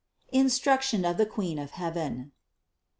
INSTRUCTION OF THE QUEEN OF HEAVEN.